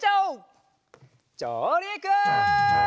じょうりく！